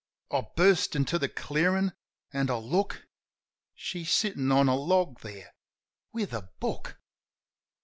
I burst into the clearin' ... an' I look. ... She's sittin' on a log there ^with a book!